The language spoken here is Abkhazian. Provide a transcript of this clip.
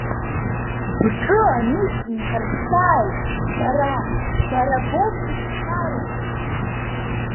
Бҿы анышә нҭарԥсааит, бара, бара боуп зегьы зхароу!